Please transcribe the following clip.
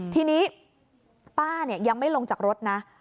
ทีนี้ป้ายังไม่ลงจากรถนะ